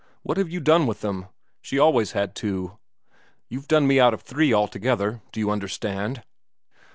What have you done with them? She always had two. You've done me out of three together, do you understand?"